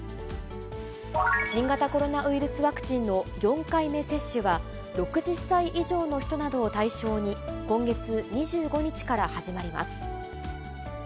新型コロナウイルスワクチンの４回目接種は、６０歳以上の人などを対象に、今月２５日から始まります。